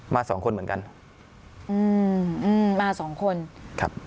มาสองคนเหมือนกันอืมอืมมาสองคนครับ